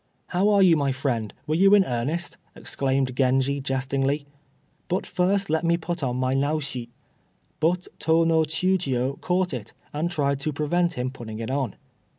"How are you my friend, were you in earnest?" exclaimed Genji, jestingly "but first let me put on my Naoshi." But Tô no Chiûjiô caught it, and tried to prevent him putting it on.